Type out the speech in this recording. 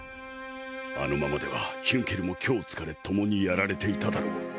あのままではヒュンケルも虚を突かれともにやられていただろう。